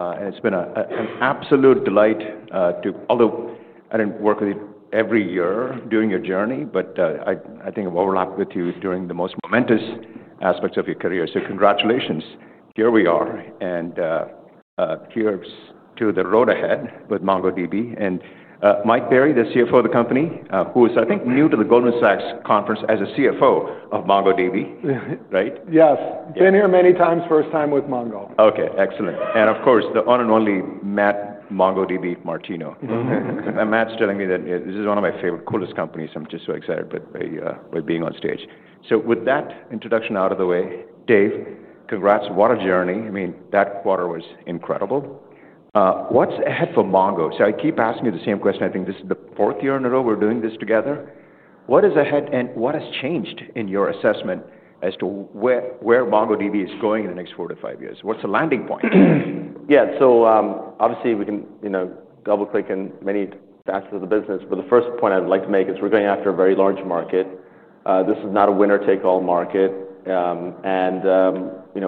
It's been an absolute delight to all the—I didn't work with you every year during your journey, but I think I've overlapped with you during the most momentous aspects of your career. Congratulations. Here we are, and here's to the road ahead with MongoDB. Mike Berry, the CFO of the company, who is, I think, new to the Goldman Sachs conference as CFO of MongoDB, right? Yes. Been here many times, first time with MongoDB. OK, excellent. Of course, the one and only Matt Martino, MongoDB. Matt's telling me that this is one of my favorite coolest companies. I'm just so excited by being on stage. With that introduction out of the way, Dev, congrats. What a journey. I mean, that quarter was incredible. What's ahead for MongoDB? I keep asking you the same question. I think this is the fourth year in a row we're doing this together. What is ahead and what has changed in your assessment as to where MongoDB is going in the next 4-5 years? What's the landing point? Yeah, obviously, we can double-click in many facets of the business. The first point I'd like to make is we're going after a very large market. This is not a winner-take-all market.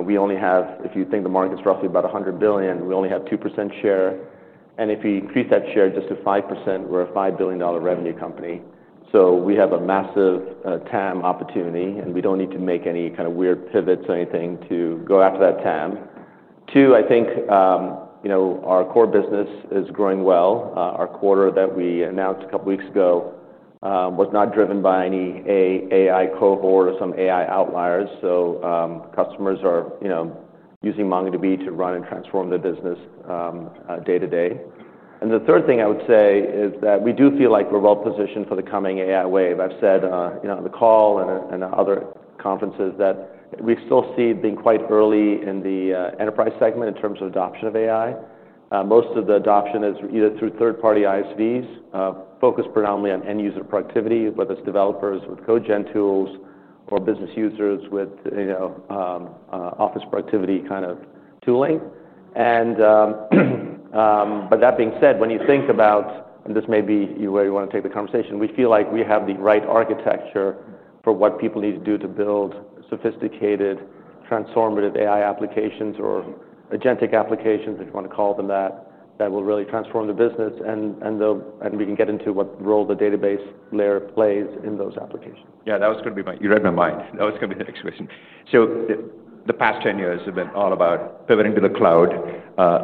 We only have, if you think the market's roughly about $100 billion, we only have 2% share. If we increase that share just to 5%, we're a $5 billion revenue company. We have a massive TAM opportunity, and we don't need to make any kind of weird pivots or anything to go after that TAM. I think our core business is growing well. Our quarter that we announced a couple of weeks ago was not driven by any AI cohort or some AI outliers. Customers are using MongoDB to run and transform their business day to day. The third thing I would say is that we do feel like we're well positioned for the coming AI wave. I've said on the call and at other conferences that we still see being quite early in the enterprise segment in terms of adoption of AI. Most of the adoption is either through third-party ISVs, focused predominantly on end-user productivity, whether it's developers with code gen tools or business users with office productivity kind of tooling. That being said, when you think about it, and this may be where you want to take the conversation, we feel like we have the right architecture for what people need to do to build sophisticated, transformative AI applications or agentic applications, if you want to call them that, that will really transform the business. We can get into what role the database layer plays in those applications. Yeah, that was going to be my—you read my mind. That was going to be the next question. The past 10 years have been all about pivoting to the cloud,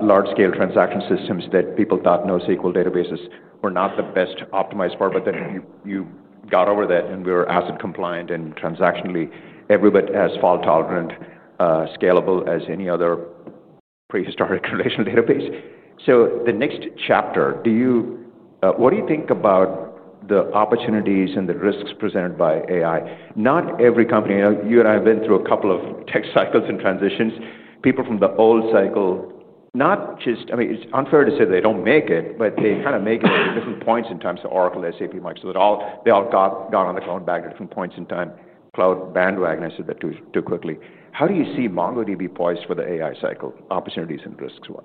large-scale transaction systems that people thought NoSQL databases were not the best optimized for. You got over that, and we were asset compliant and transactionally every bit as fault tolerant, scalable as any other prehistoric relational database. The next chapter, what do you think about the opportunities and the risks presented by AI? Not every company—you and I have been through a couple of tech cycles and transitions. People from the old cycle, it's unfair to say they don't make it, but they kind of make it at different points in time. Oracle, SAP, Microsoft, they all got on the cloud back at different points in time. Cloud bandwagon, I said that too quickly. How do you see MongoDB poised for the AI cycle, opportunities and risks-wise?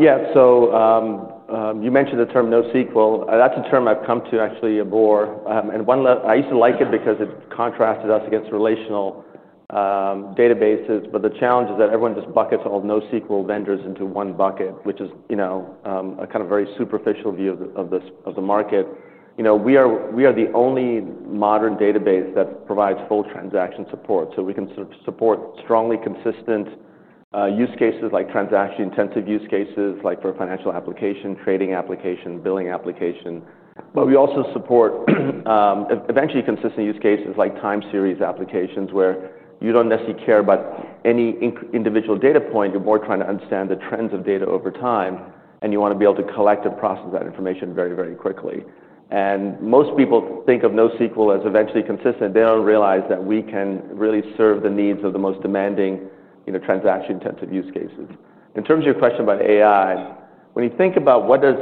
Yeah, you mentioned the term NoSQL. That's a term I've come to actually abhor and one less—I used to like it because it contrasted us against relational databases. The challenge is that everyone just buckets all NoSQL vendors into one bucket, which is a kind of very superficial view of the market. We are the only modern database that provides full transaction support. We can support strongly consistent use cases, like transaction-intensive use cases, like for a financial application, trading application, billing application. We also support eventually consistent use cases, like time series applications, where you don't necessarily care about any individual data point. You're more trying to understand the trends of data over time, and you want to be able to collect and process that information very, very quickly. Most people think of NoSQL as eventually consistent. They don't realize that we can really serve the needs of the most demanding transaction-intensive use cases. In terms of your question about AI, when you think about what is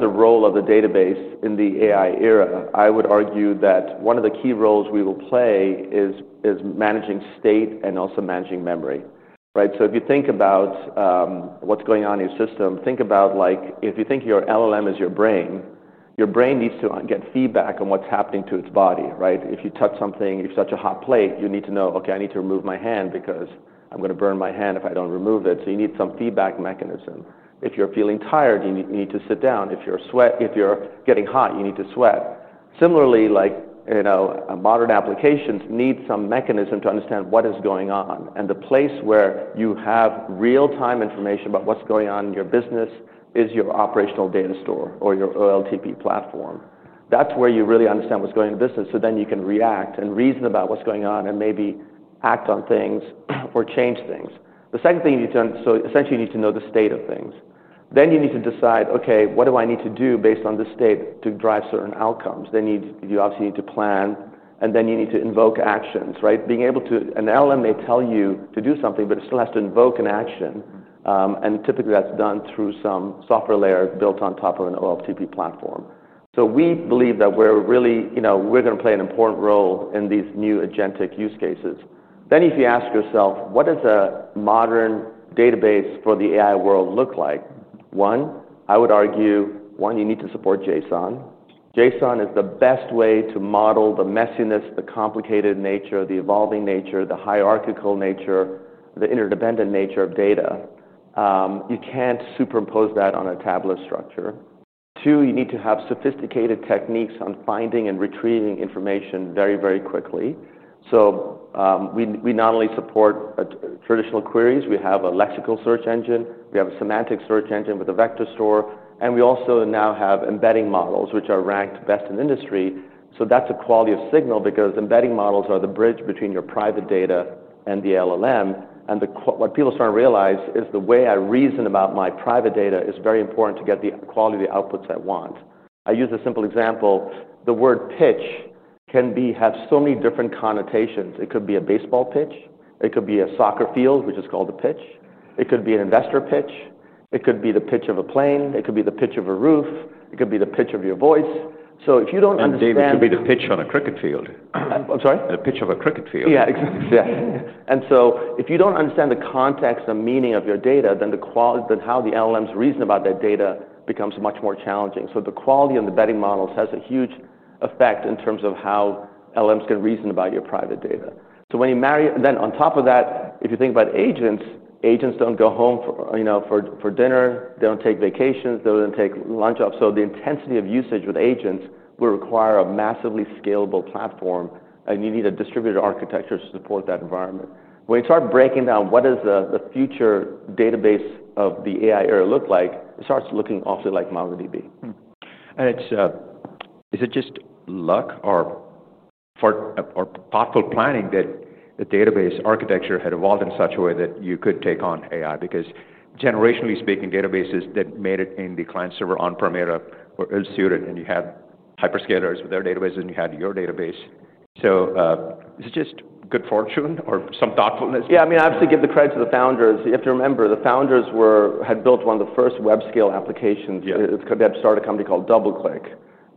the role of the database in the AI era, I would argue that one of the key roles we will play is managing state and also managing memory. If you think about what's going on in your system, think about like if you think your LLM is your brain, your brain needs to get feedback on what's happening to its body. If you touch something, if you touch a hot plate, you need to know, OK, I need to remove my hand because I'm going to burn my hand if I don't remove it. You need some feedback mechanism. If you're feeling tired, you need to sit down. If you're getting hot, you need to sweat. Similarly, modern applications need some mechanism to understand what is going on. The place where you have real-time information about what's going on in your business is your operational data store or your OLTP platform. That's where you really understand what's going in the business. You can react and reason about what's going on and maybe act on things or change things. Essentially, you need to know the state of things. Then you need to decide, OK, what do I need to do based on this state to drive certain outcomes? You obviously need to plan, and then you need to invoke actions. Being able to—an LLM may tell you to do something, but it still has to invoke an action. Typically, that's done through some software layer built on top of an OLTP platform. We believe that we're really going to play an important role in these new agentic use cases. If you ask yourself, what does a modern database for the AI world look like? One, I would argue, you need to support JSON. JSON is the best way to model the messiness, the complicated nature, the evolving nature, the hierarchical nature, the interdependent nature of data. You can't superimpose that on a tabular structure. Two, you need to have sophisticated techniques on finding and retrieving information very, very quickly. We not only support traditional queries, we have a lexical search engine. We have a semantic search engine with a vector store. We also now have embedding models, which are ranked best in the industry. That's a quality of signal because embedding models are the bridge between your private data and the LLM. What people start to realize is the way I reason about my private data is very important to get the quality of the outputs I want. I use a simple example. The word pitch can have so many different connotations. It could be a baseball pitch. It could be a soccer field, which is called a pitch. It could be an investor pitch. It could be the pitch of a plane. It could be the pitch of a roof. It could be the pitch of your voice. If you don't understand. It could be the pitch on a cricket field. I'm sorry? The pitch of a cricket field. Yeah, exactly. If you don't understand the context and meaning of your data, then how the LLMs reason about that data becomes much more challenging. The quality of the embedding models has a huge effect in terms of how LLMs can reason about your private data. When you marry that, on top of that, if you think about agents, agents don't go home for dinner. They don't take vacations. They don't take lunch off. The intensity of usage with agents will require a massively scalable platform, and you need a distributed architecture to support that environment. When you start breaking down what the future database of the AI era looks like, it starts looking awfully like MongoDB. Is it just luck or thoughtful planning that the database architecture had evolved in such a way that you could take on AI? Generationally speaking, databases that made it in the client server on-prem era were obscure. You had hyperscalers with their databases, and you had your database. Is it just good fortune or some thoughtfulness? Yeah, I mean, I obviously give the credit to the founders. You have to remember, the founders had built one of the first web scale applications. They had started a company called DoubleClick.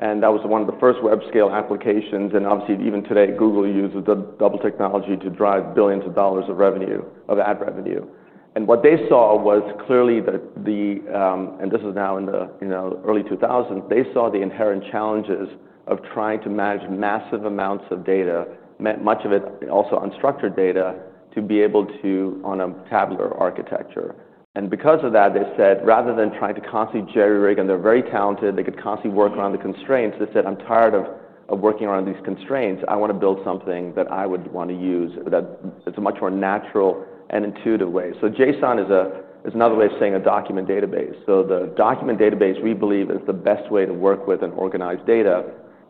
That was one of the first web scale applications. Obviously, even today, Google uses the DoubleClick technology to drive billions of dollars of ad revenue. What they saw was clearly that in the early 2000s, they saw the inherent challenges of trying to manage massive amounts of data, much of it also unstructured data, to be able to on a tabular architecture. Because of that, they said, rather than trying to constantly jerry-rig, and they're very talented, they could constantly work around the constraints, they said, I'm tired of working around these constraints. I want to build something that I would want to use that is a much more natural and intuitive way. JSON is another way of saying a document database. The document database, we believe, is the best way to work with and organize data.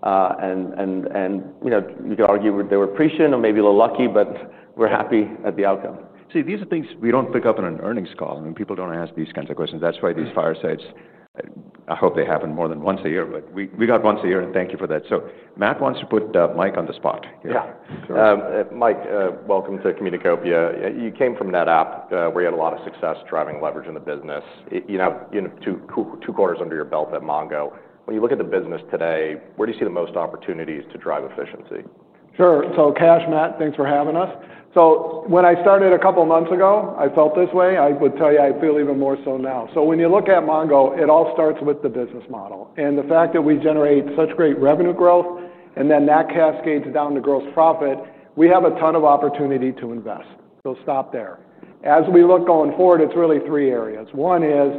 You could argue they were prescient or maybe a little lucky, but we're happy at the outcome. These are things we don't pick up on an earnings call. I mean, people don't ask these kinds of questions. That's why these firesides, I hope they happen more than once a year. We got once a year, and thank you for that. Matt wants to put Mike on the spot. Yeah, sure. Mike, welcome to Communacopia. You came from NetApp, where you had a lot of success driving leverage in the business. You have two quarters under your belt at MongoDB. When you look at the business today, where do you see the most opportunities to drive efficiency? Sure. Kash, Matt, thanks for having us. When I started a couple of months ago, I felt this way. I would tell you I feel even more so now. When you look at MongoDB, it all starts with the business model. The fact that we generate such great revenue growth, and then that cascades down to gross profit, we have a ton of opportunity to invest. As we look going forward, it's really three areas. One is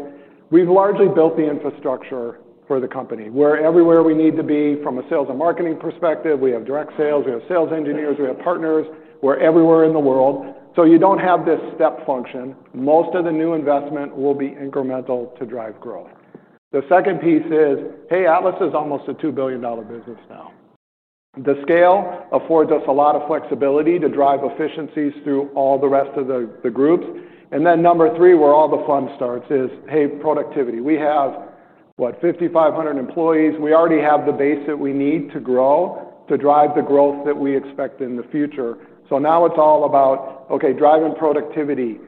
we've largely built the infrastructure for the company. We're everywhere we need to be from a sales and marketing perspective. We have direct sales. We have sales engineers. We have partners. We're everywhere in the world. You don't have this step function. Most of the new investment will be incremental to drive growth. The second piece is, Atlas is almost a $2 billion business now. The scale affords us a lot of flexibility to drive efficiencies through all the rest of the groups. Number three, where all the fun starts, is productivity. We have, what, 5,500 employees. We already have the base that we need to grow to drive the growth that we expect in the future. Now it's all about, OK, driving productivity.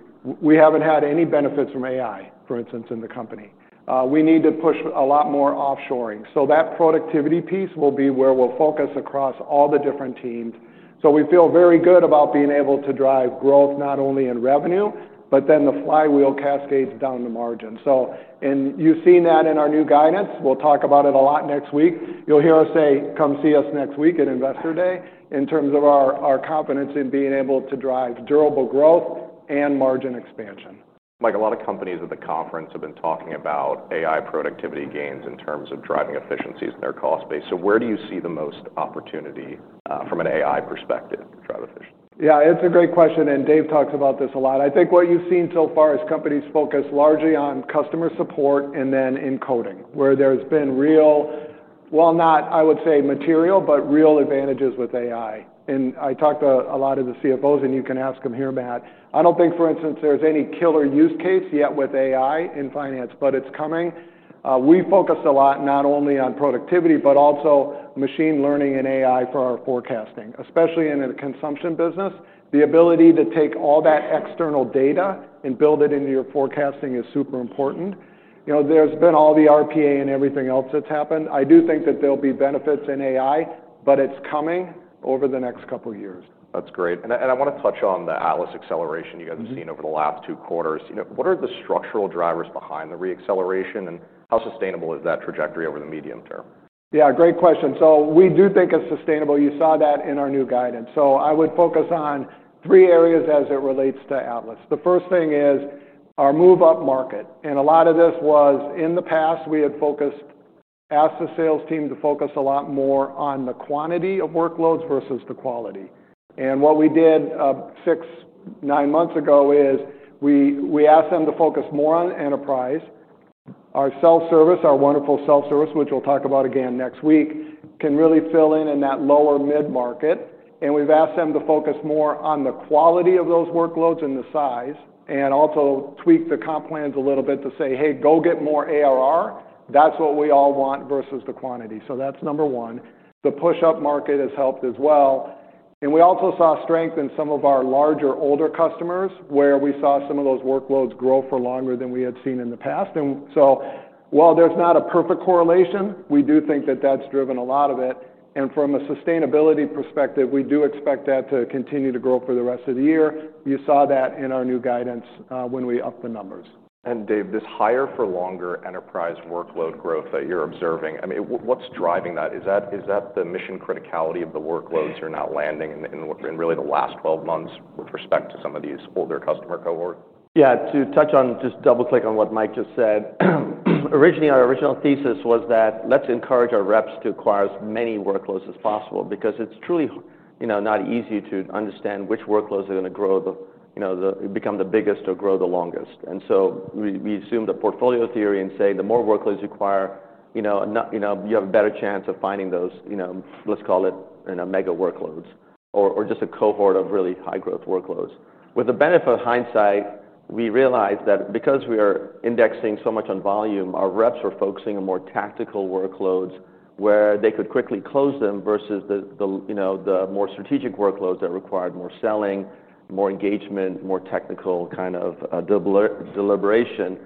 We haven't had any benefits from AI, for instance, in the company. We need to push a lot more offshoring. That productivity piece will be where we'll focus across all the different teams. We feel very good about being able to drive growth not only in revenue, but then the flywheel cascades down the margin. You've seen that in our new guidance. We'll talk about it a lot next week. You'll hear us say, come see us next week at Investor Day in terms of our confidence in being able to drive durable growth and margin expansion. Mike, a lot of companies at the conference have been talking about AI productivity gains in terms of driving efficiencies in their cost base. Where do you see the most opportunity from an AI perspective to drive efficiency? Yeah, it's a great question. Dev talks about this a lot. I think what you've seen so far is companies focus largely on customer support and then encoding, where there's been real, not, I would say, material, but real advantages with AI. I talk to a lot of the CFOs, and you can ask them here, Matt. I don't think, for instance, there's any killer use case yet with AI in finance, but it's coming. We focus a lot not only on productivity, but also machine learning and AI for our forecasting, especially in a consumption business. The ability to take all that external data and build it into your forecasting is super important. There's been all the RPA and everything else that's happened. I do think that there'll be benefits in AI, but it's coming over the next couple of years. That's great. I want to touch on the Atlas acceleration you guys have seen over the last two quarters. What are the structural drivers behind the reacceleration, and how sustainable is that trajectory over the medium term? Yeah, great question. We do think it's sustainable. You saw that in our new guidance. I would focus on three areas as it relates to Atlas. The first thing is our move-up market. In the past, we had asked the sales team to focus a lot more on the quantity of workloads versus the quality. What we did six, nine months ago is we asked them to focus more on enterprise. Our wonderful self-service, which we'll talk about again next week, can really fill in in that lower mid-market. We've asked them to focus more on the quality of those workloads and the size, and also tweak the comp plans a little bit to say, hey, go get more ARR. That's what we all want versus the quantity. That's number one. The push-up market has helped as well. We also saw strength in some of our larger, older customers, where we saw some of those workloads grow for longer than we had seen in the past. While there's not a perfect correlation, we do think that that's driven a lot of it. From a sustainability perspective, we do expect that to continue to grow for the rest of the year. You saw that in our new guidance when we upped the numbers. Dev, this higher for longer enterprise workload growth that you're observing, what's driving that? Is that the mission criticality of the workloads you're now landing in really the last 12 months with respect to some of these older customer cohorts? Yeah, to touch on, just double-click on what Mike just said, originally, our original thesis was that let's encourage our reps to acquire as many workloads as possible because it's truly not easy to understand which workloads are going to grow, become the biggest, or grow the longest. We assumed a portfolio theory and said the more workloads you acquire, you have a better chance of finding those, let's call it, mega workloads or just a cohort of really high-growth workloads. With the benefit of hindsight, we realized that because we are indexing so much on volume, our reps are focusing on more tactical workloads where they could quickly close them versus the more strategic workloads that required more selling, more engagement, more technical kind of deliberation.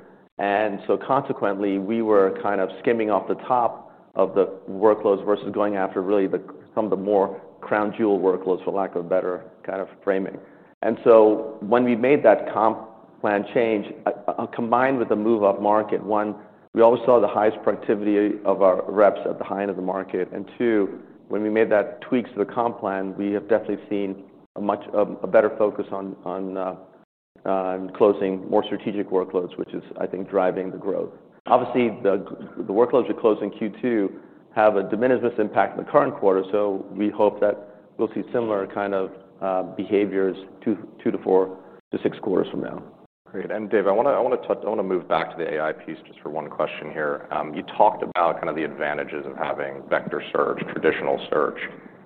Consequently, we were kind of skimming off the top of the workloads versus going after really some of the more crown jewel workloads, for lack of a better kind of framing. When we made that comp plan change, combined with the move-up market, one, we always saw the highest productivity of our reps at the high end of the market. Two, when we made those tweaks to the comp plan, we have definitely seen a much better focus on closing more strategic workloads, which is, I think, driving the growth. Obviously, the workloads you close in Q2 have a diminishment impact in the current quarter. We hope that we'll see similar kind of behaviors two to four to six quarters from now. Great. Dev, I want to move back to the AI piece just for one question here. You talked about the advantages of having vector search, traditional search,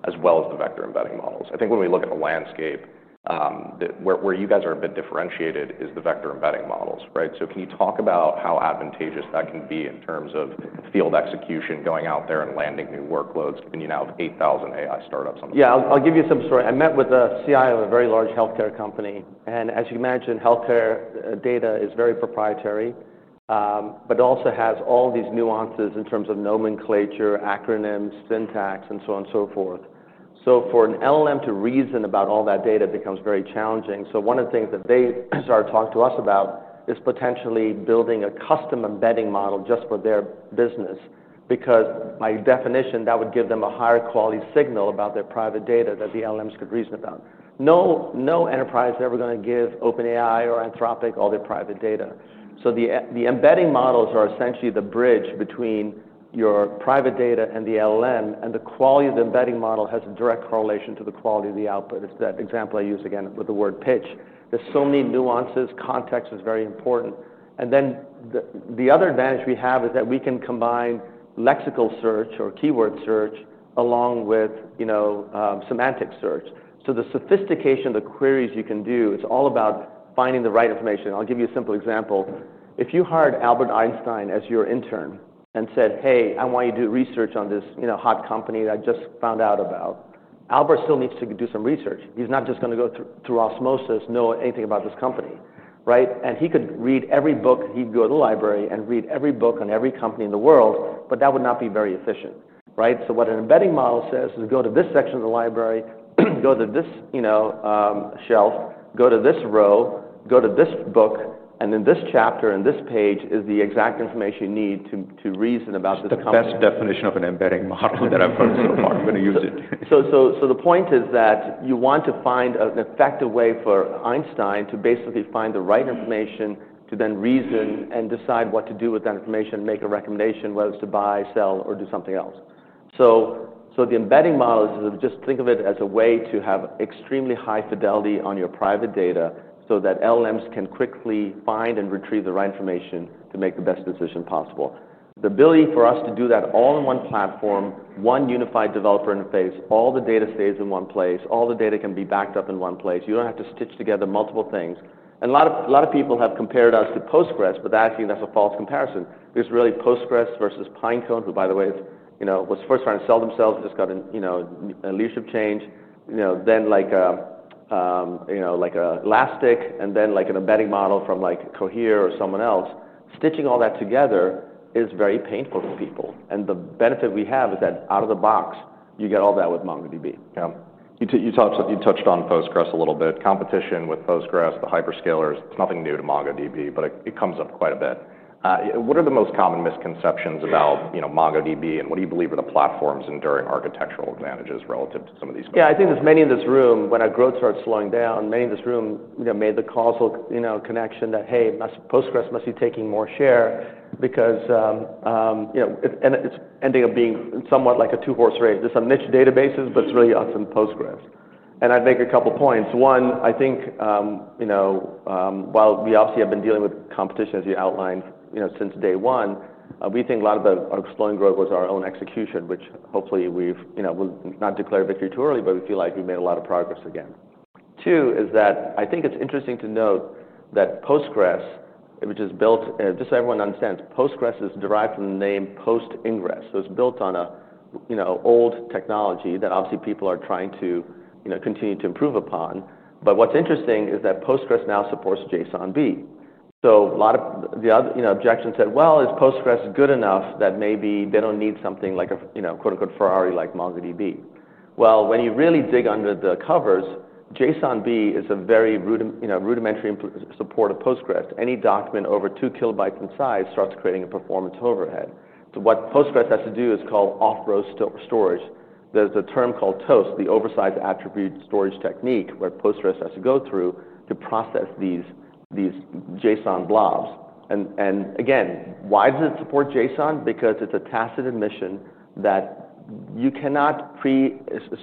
as well as the vector embedding models. I think when we look at the landscape, where you guys are a bit differentiated is the vector embedding models. Can you talk about how advantageous that can be in terms of field execution, going out there and landing new workloads? You now have 8,000 AI startups on the... Yeah, I'll give you some story. I met with the CIO of a very large health care company. As you can imagine, health care data is very proprietary, but it also has all these nuances in terms of nomenclature, acronyms, syntax, and so on and so forth. For an LLM to reason about all that data becomes very challenging. One of the things that they started talking to us about is potentially building a custom embedding model just for their business because by definition, that would give them a higher quality signal about their private data that the LLMs could reason about. No enterprise is ever going to give OpenAI or Anthropic all their private data. The embedding models are essentially the bridge between your private data and the LLM. The quality of the embedding model has a direct correlation to the quality of the output. It's that example I use again with the word pitch. There are so many nuances. Context is very important. The other advantage we have is that we can combine lexical search or keyword search along with semantic search. The sophistication of the queries you can do, it's all about finding the right information. I'll give you a simple example. If you hired Albert Einstein as your intern and said, hey, I want you to do research on this hot company that I just found out about, Albert still needs to do some research. He's not just going to go through osmosis, know anything about this company. He could read every book. He'd go to the library and read every book on every company in the world. That would not be very efficient. What an embedding model says is go to this section of the library, go to this shelf, go to this row, go to this book, and in this chapter and this page is the exact information you need to reason about this company. That's the best definition of an embedding model that I've heard so far. I'm going to use it. The point is that you want to find an effective way for Einstein to basically find the right information to then reason and decide what to do with that information, make a recommendation, whether it's to buy, sell, or do something else. The embedding model is just think of it as a way to have extremely high fidelity on your private data so that LLMs can quickly find and retrieve the right information to make the best decision possible. The ability for us to do that all in one platform, one unified developer interface, all the data stays in one place. All the data can be backed up in one place. You don't have to stitch together multiple things. A lot of people have compared us to PostgreSQL, but actually, that's a false comparison because really, PostgreSQL versus Pinecone, who, by the way, was first trying to sell themselves, just got a leadership change, then like Elastic, and then like an embedding model from like Cohere or someone else, stitching all that together is very painful for people. The benefit we have is that out of the box, you get all that with MongoDB. You touched on PostgreSQL a little bit. Competition with PostgreSQL, the hyperscalers, it's nothing new to MongoDB, but it comes up quite a bit. What are the most common misconceptions about MongoDB, and what do you believe are the platform's enduring architectural advantages relative to some of these? Yeah, I think there's many in this room. When our growth starts slowing down, many in this room made the causal connection that, hey, PostgreSQL must be taking more share because it's ending up being somewhat like a two-horse race. It's a niche databases, but it's really us and PostgreSQL. I'd make a couple of points. One, I think while we obviously have been dealing with competition, as you outlined, since day one, we think a lot of our slowing growth was our own execution, which hopefully we've not declared victory too early, but we feel like we've made a lot of progress again. Two is that I think it's interesting to note that PostgreSQL, which is built, just so everyone understands, PostgreSQL is derived from the name "Post Ingress". It's built on an old technology that obviously people are trying to continue to improve upon. What's interesting is that PostgreSQL now supports JSONB. A lot of the objections said, is PostgreSQL good enough that maybe they don't need something like a, quote unquote, Ferrari-like MongoDB? When you really dig under the covers, JSONB is a very rudimentary support of PostgreSQL. Any document over 2 KB in size starts creating a performance overhead. What PostgreSQL has to do is call off-row storage. There's a term called TOAST, the oversized attribute storage technique, where PostgreSQL has to go through to process these JSON blobs. The reason it supports JSON is because it's a tacit admission that you cannot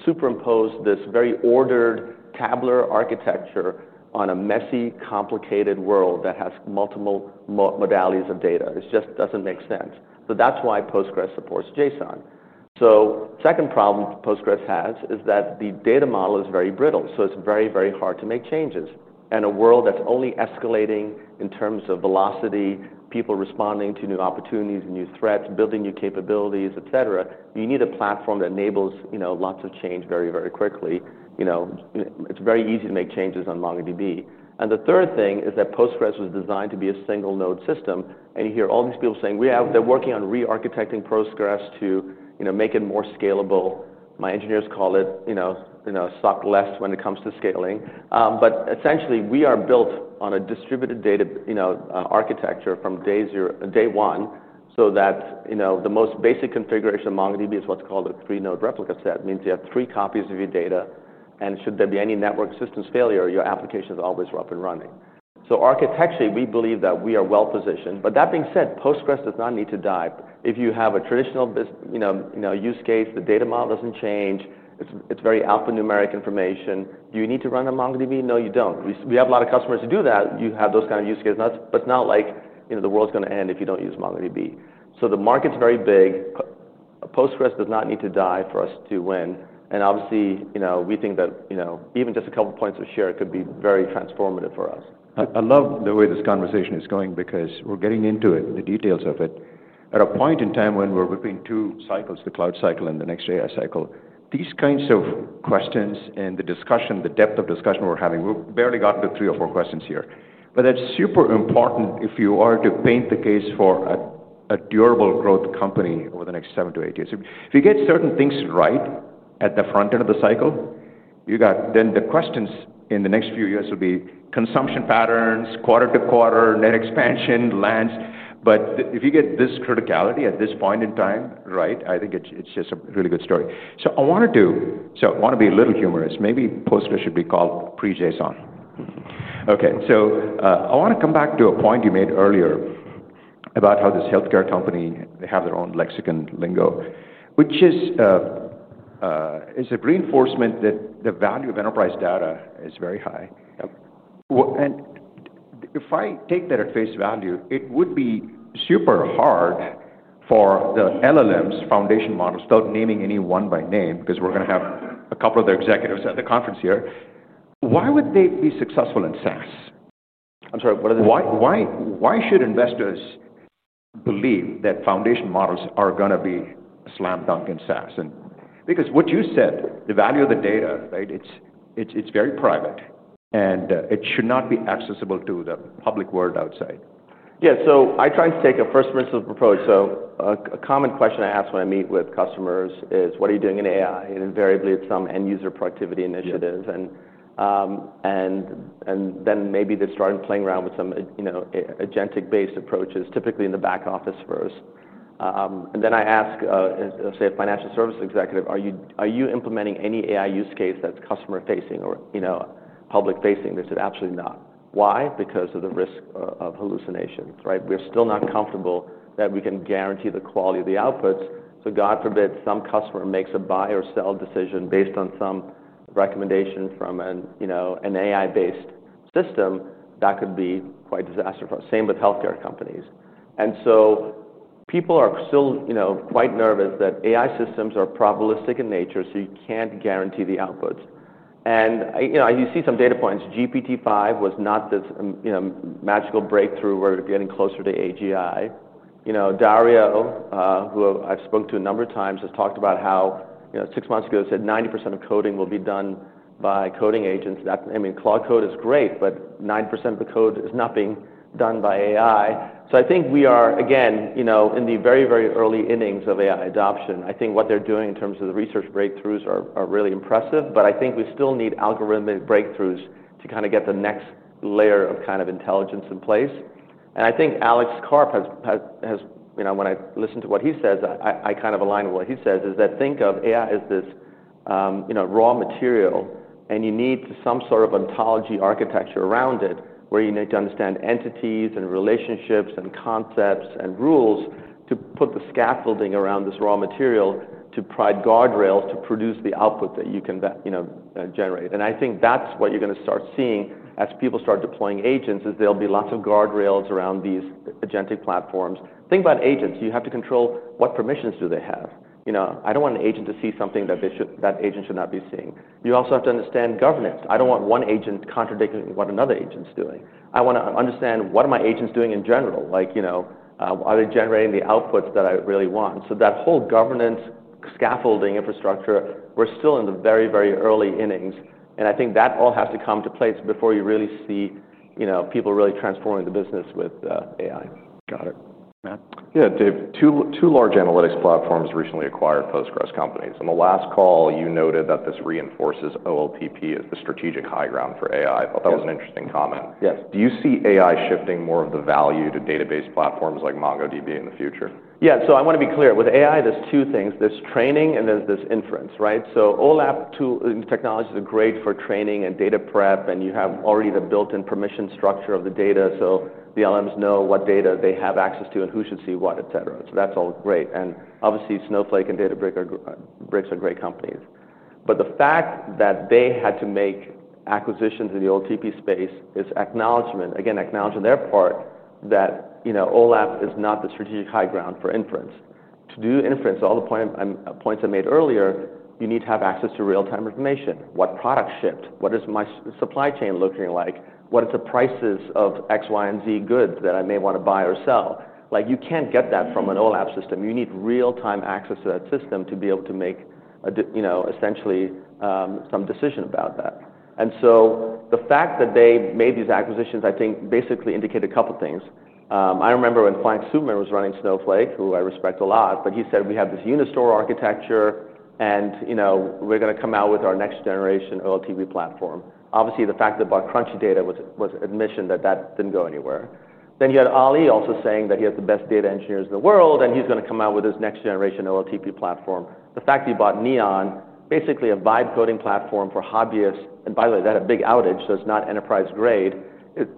superimpose this very ordered tabular architecture on a messy, complicated world that has multiple modalities of data. It just doesn't make sense. That's why PostgreSQL supports JSON. The second problem PostgreSQL has is that the data model is very brittle. It's very, very hard to make changes. In a world that's only escalating in terms of velocity, people responding to new opportunities and new threats, building new capabilities, et cetera, you need a platform that enables lots of change very, very quickly. It's very easy to make changes on MongoDB. The third thing is that PostgreSQL was designed to be a single-node system. You hear all these people saying they're working on re-architecting PostgreSQL to make it more scalable. My engineers call it SOC-less when it comes to scaling. Essentially, we are built on a distributed data architecture from day one so that the most basic configuration of MongoDB is what's called a three-node replica set. It means you have three copies of your data. Should there be any network systems failure, your application is always up and running. Architecturally, we believe that we are well positioned. That being said, PostgreSQL does not need to die. If you have a traditional use case, the data model doesn't change, and it's very alphanumeric information, do you need to run MongoDB? No, you don't. We have a lot of customers who do that. You have those kinds of use cases, but it's not like the world's going to end if you don't use MongoDB. The market's very big. PostgreSQL does not need to die for us to win. Obviously, we think that even just a couple of points of share could be very transformative for us. I love the way this conversation is going because we're getting into the details of it. At a point in time when we're between two cycles, the cloud cycle and the next AI cycle, these kinds of questions and the discussion, the depth of discussion we're having, we barely got to three or four questions here. That's super important if you are to paint the case for a durable growth company over the next 7-8 years. If you get certain things right at the front end of the cycle, the questions in the next few years will be consumption patterns, quarter to quarter, net expansion, lands. If you get this criticality at this point in time, I think it's just a really good story. I want to be a little humorous. Maybe PostgreSQL should be called pre-JSON. I want to come back to a point you made earlier about how this health care company, they have their own lexicon, lingo, which is a reinforcement that the value of enterprise data is very high. If I take that at face value, it would be super hard for the LLMs, foundation models, without naming anyone by name because we're going to have a couple of the executives at the conference here, why would they be successful in SaaS? I'm sorry. What are the... Why should investors believe that foundation models are going to be a slam dunk in SaaS? Because what you said, the value of the data, it's very private. It should not be accessible to the public world outside. Yeah, I try and take a first-missive approach. A common question I ask when I meet with customers is, what are you doing in AI? Invariably, it's some end-user productivity initiative. Maybe they're starting playing around with some agentic-based approaches, typically in the back office first. I ask, say, a financial services executive, are you implementing any AI use case that's customer-facing or public-facing? They said, absolutely not. Why? Because of the risk of hallucinations. We're still not comfortable that we can guarantee the quality of the outputs. God forbid some customer makes a buy or sell decision based on some recommendation from an AI-based system. That could be quite disastrous. Same with health care companies. People are still quite nervous that AI systems are probabilistic in nature, so you can't guarantee the outputs. You see some data points. GPT-5 was not this magical breakthrough where we're getting closer to AGI. Dario, who I've spoken to a number of times, has talked about how six months ago, he said 90% of coding will be done by coding agents. I mean, Claude code is great, but 90% of the code is not being done by AI. I think we are, again, in the very, very early innings of AI adoption. What they're doing in terms of the research breakthroughs are really impressive. I think we still need algorithmic breakthroughs to kind of get the next layer of intelligence in place. I think Alex Karp has, when I listen to what he says, I kind of align with what he says, is that think of AI as this raw material. You need some sort of ontology architecture around it, where you need to understand entities and relationships and concepts and rules to put the scaffolding around this raw material to provide guardrails to produce the output that you can generate. I think that's what you're going to start seeing as people start deploying agents, is there'll be lots of guardrails around these agentic platforms. Think about agents. You have to control what permissions do they have. I don't want an agent to see something that an agent should not be seeing. You also have to understand governance. I don't want one agent contradicting what another agent's doing. I want to understand what my agent's doing in general. Like, are they generating the outputs that I really want? That whole governance scaffolding infrastructure, we're still in the very, very early innings. I think that all has to come to place before you really see people really transforming the business with AI. Got it. Matt? Yeah, Dev. Two large analytics platforms recently acquired PostgreSQL companies. On the last call, you noted that this reinforces OLTP as the strategic high ground for AI. I thought that was an interesting comment. Yes. Do you see AI shifting more of the value to database platforms like MongoDB in the future? Yeah, so I want to be clear. With AI, there's two things. There's training, and there's inference. OLAP technologies are great for training and data prep, and you have already the built-in permission structure of the data, so the LLMs know what data they have access to and who should see what, et cetera. That's all great. Obviously, Snowflake and Databricks are great companies, but the fact that they had to make acquisitions in the OLTP space is acknowledgment, again, acknowledgment on their part that OLAP is not the strategic high ground for inference. To do inference, all the points I made earlier, you need to have access to real-time information. What product shipped? What is my supply chain looking like? What are the prices of X, Y, and Z goods that I may want to buy or sell? You can't get that from an OLAP system. You need real-time access to that system to be able to make, essentially, some decision about that. The fact that they made these acquisitions, I think, basically indicated a couple of things. I remember when Frank Slootman was running Snowflake, who I respect a lot, but he said, we have this Unistore architecture, and we're going to come out with our next-generation OLTP platform. Obviously, the fact that they bought Crunchy Data was admission that that didn't go anywhere. Then you had Ali also saying that he has the best data engineers in the world, and he's going to come out with his next-generation OLTP platform. The fact that he bought Neon, basically a vibe coding platform for hobbyists, and by the way, they had a big outage, so it's not enterprise grade,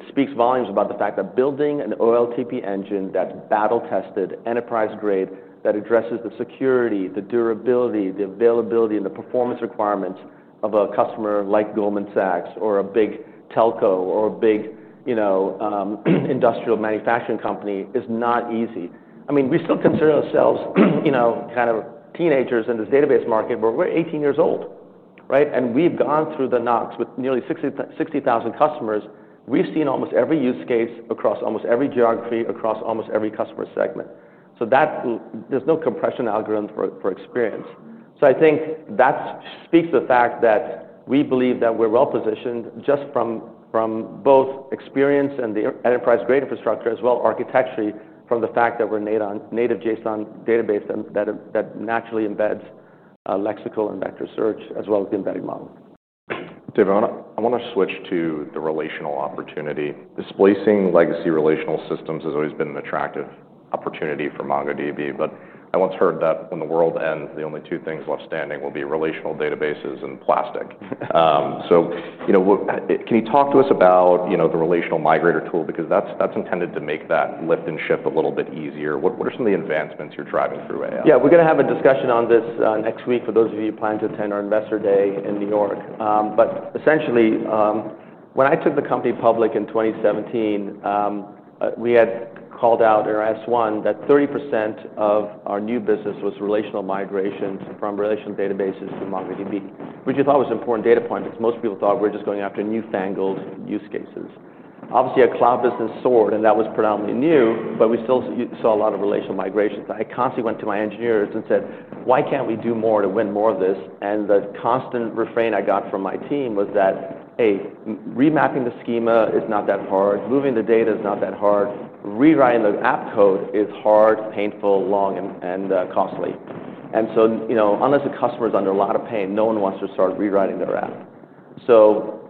speaks volumes about the fact that building an OLTP engine that's battle-tested, enterprise grade, that addresses the security, the durability, the availability, and the performance requirements of a customer like Goldman Sachs or a big telco or a big industrial manufacturing company is not easy. I mean, we still consider ourselves kind of teenagers in this database market, where we're 18 years old. We've gone through the knocks with nearly 60,000 customers. We've seen almost every use case across almost every geography, across almost every customer segment. There's no compression algorithm for experience. I think that speaks to the fact that we believe that we're well positioned just from both experience and the enterprise-grade infrastructure, as well as architecturally, from the fact that we're a native JSON database that naturally embeds lexical and vector search, as well as the embedding model. Dev, I want to switch to the relational opportunity. Displacing legacy relational systems has always been an attractive opportunity for MongoDB. I once heard that when the world ends, the only two things left standing will be relational databases and plastic. Can you talk to us about the MongoDB Relational Migrator tool? That's intended to make that lift and shift a little bit easier. What are some of the advancements you're driving through AI? Yeah, we're going to have a discussion on this next week for those of you who plan to attend our Investor Day in New York. Essentially, when I took the company public in 2017, we had called out or I asked one that 30% of our new business was relational migrations from relational databases to MongoDB, which I thought was an important data point because most people thought we were just going after newfangled use cases. Obviously, a cloud business soared, and that was predominantly new, but we still saw a lot of relational migrations. I constantly went to my engineers and said, why can't we do more to win more of this? The constant refrain I got from my team was that, hey, remapping the schema is not that hard. Moving the data is not that hard. Rewriting the app code is hard, painful, long, and costly. Unless a customer is under a lot of pain, no one wants to start rewriting their app.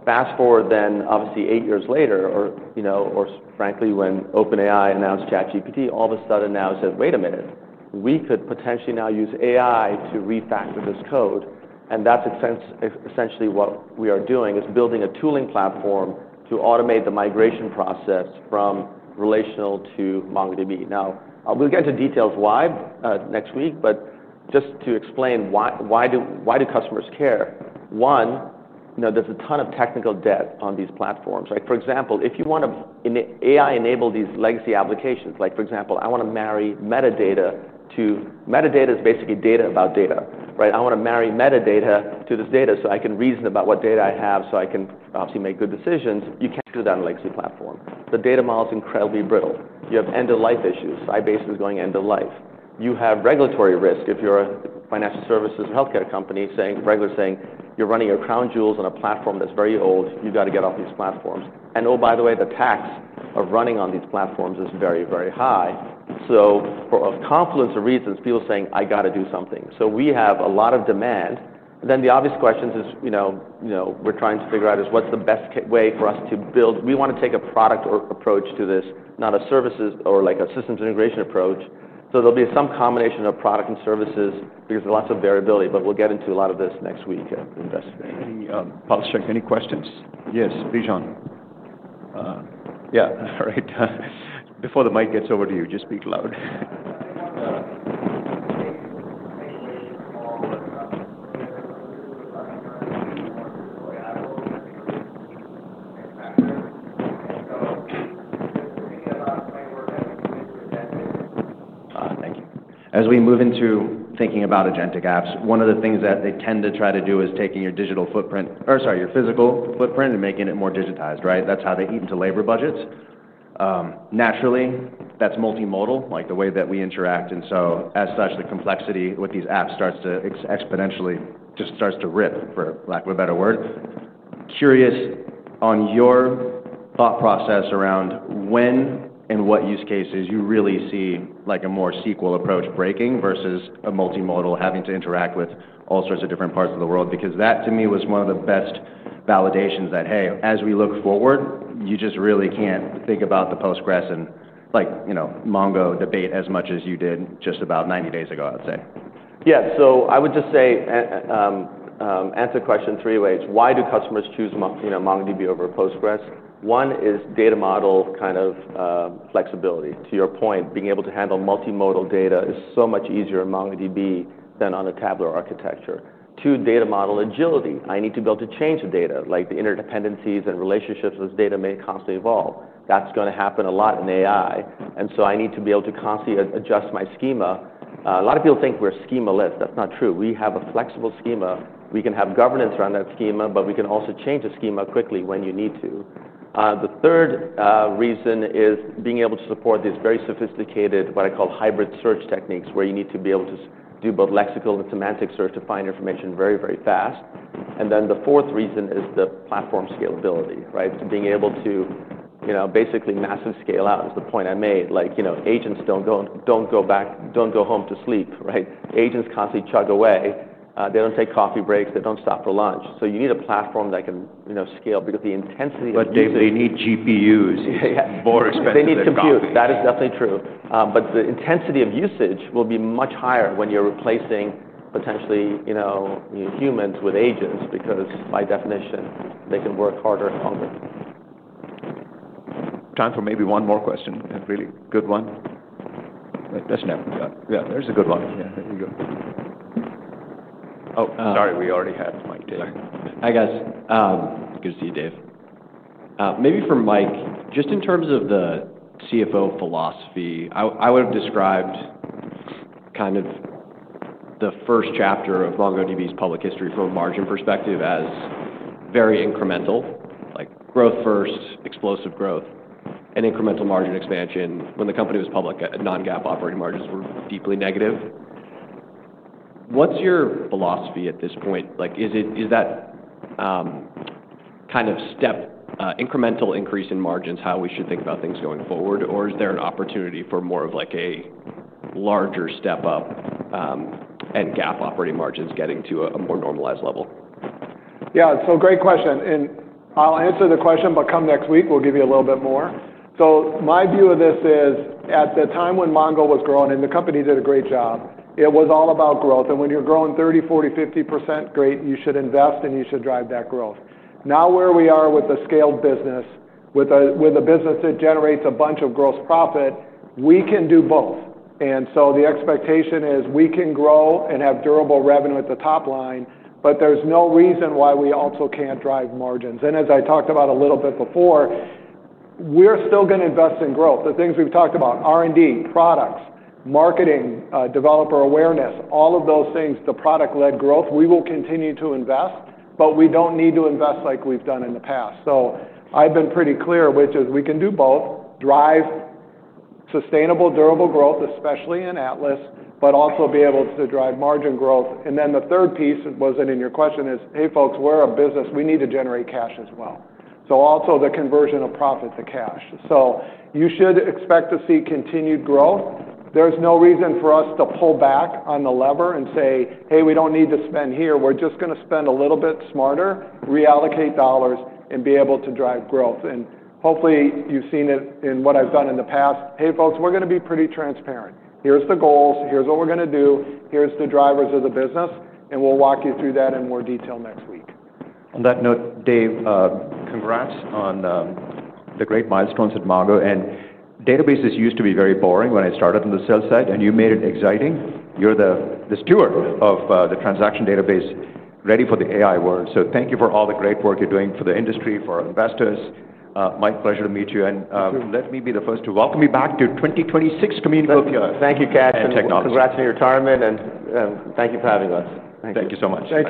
Fast forward then, obviously, eight years later, or frankly, when OpenAI announced ChatGPT, all of a sudden now, I said, wait a minute. We could potentially now use AI to refactor this code. That's essentially what we are doing, is building a tooling platform to automate the migration process from relational to MongoDB. We'll get into details why next week. Just to explain, why do customers care? One, there's a ton of technical debt on these platforms. For example, if you want to AI-enable these legacy applications, like for example, I want to marry metadata to metadata is basically data about data. I want to marry metadata to this data so I can reason about what data I have so I can obviously make good decisions. You can't do that on a legacy platform. The data model is incredibly brittle. You have end-of-life issues. iBasis is going end of life. You have regulatory risk if you're a financial services or health care company saying regularly you're running your crown jewels on a platform that's very old. You've got to get off these platforms. By the way, the tax of running on these platforms is very, very high. For a confluence of reasons, people are saying, I got to do something. We have a lot of demand. The obvious question is we're trying to figure out what's the best way for us to build. We want to take a product approach to this, not a services or like a systems integration approach. There'll be some combination of product and services because there's lots of variability. We'll get into a lot of this next week. Any questions? Yes, Bijan. All right. Before the mic gets over to you, just speak loud. Thank you. As we move into thinking about agentic apps, one of the things that they tend to try to do is taking your digital footprint or, sorry, your physical footprint and making it more digitized. That's how they eat into labor budgets. Naturally, that's multimodal, like the way that we interact. As such, the complexity with these apps starts to exponentially just start to rip, for lack of a better word. Curious on your thought process around when and what use cases you really see like a more SQL approach breaking versus a multimodal having to interact with all sorts of different parts of the world. That, to me, was one of the best validations that, hey, as we look forward, you just really can't think about the PostgreSQL and MongoDB debate as much as you did just about 90 days ago, I'd say. Yeah, so I would just say answer your question three ways. Why do customers choose MongoDB over PostgreSQL? One is data model kind of flexibility. To your point, being able to handle multimodal data is so much easier in MongoDB than on a tabular architecture. Two, data model agility. I need to be able to change the data. Like the interdependencies and relationships of this data may constantly evolve. That's going to happen a lot in AI. I need to be able to constantly adjust my schema. A lot of people think we're schemaless. That's not true. We have a flexible schema. We can have governance around that schema, but we can also change the schema quickly when you need to. The third reason is being able to support these very sophisticated, what I call hybrid search techniques, where you need to be able to do both lexical and semantic search to find information very, very fast. The fourth reason is the platform scalability, being able to basically massive scale out, is the point I made. Agents don't go back, don't go home to sleep. Agents constantly chug away. They don't take coffee breaks. They don't stop for lunch. You need a platform that can scale because the intensity of. They need GPUs, more expensive. They need compute. That is definitely true. The intensity of usage will be much higher when you're replacing potentially humans with agents because, by definition, they can work harder and longer. Time for maybe one more question, and a really good one. Yeah, that's a good one. Here you go. Oh, sorry, we already had Mike. Hi, guys. Good to see you, Dev. Maybe for Mike, just in terms of the CFO philosophy, I would have described kind of the first chapter of MongoDB's public history from a margin perspective as very incremental, like growth first, explosive growth, and incremental margin expansion. When the company was public, non-GAAP operating margins were deeply negative. What's your philosophy at this point? Is that kind of step incremental increase in margins how we should think about things going forward? Is there an opportunity for more of like a larger step up and GAAP operating margins getting to a more normalized level? Great question. I'll answer the question, but come next week, we'll give you a little bit more. My view of this is at the time when MongoDB was growing, and the company did a great job, it was all about growth. When you're growing 30%, 40%, 50%, you should invest, and you should drive that growth. Now where we are with the scaled business, with a business that generates a bunch of gross profit, we can do both. The expectation is we can grow and have durable revenue at the top line, but there's no reason why we also can't drive margins. As I talked about a little bit before, we're still going to invest in growth. The things we've talked about, R&D, products, marketing, developer awareness, all of those things, the product-led growth, we will continue to invest, but we don't need to invest like we've done in the past. I've been pretty clear, which is we can do both, drive sustainable, durable growth, especially in Atlas, but also be able to drive margin growth. The third piece, it wasn't in your question, is, hey, folks, we're a business. We need to generate cash as well. Also the conversion of profits to cash. You should expect to see continued growth. There's no reason for us to pull back on the lever and say, hey, we don't need to spend here. We're just going to spend a little bit smarter, reallocate dollars, and be able to drive growth. Hopefully, you've seen it in what I've done in the past. Hey, folks, we're going to be pretty transparent. Here's the goals. Here's what we're going to do. Here's the drivers of the business. We'll walk you through that in more detail next week. On that note, Dev, congrats on the great milestones at MongoDB. Databases used to be very boring when I started on the sell side, and you made it exciting. You're the steward of the transaction database ready for the AI world. Thank you for all the great work you're doing for the industry, for our investors. Mike, pleasure to meet you. Let me be the first to welcome you back to the 2026 Communacopia. Thank you, Kash. [Thank you.] [Congrats on your entire team], and thank you for having us. Thank you so much.